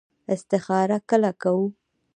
استخاره کله کوو؟